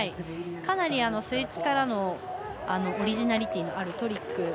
かなりスイッチからのオリジナリティーのあるトリック。